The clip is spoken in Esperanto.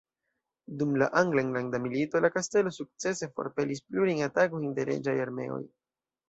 Dum la angla enlanda milito la kastelo sukcese forpelis plurajn atakojn de reĝaj armeoj.